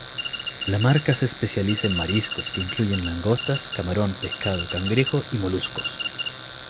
La marca se especializa en mariscos, que incluyen langosta, camarón, pescado, cangrejo y moluscos.